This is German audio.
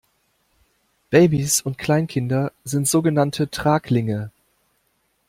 Babys und Kleinkinder sind sogenannte Traglinge.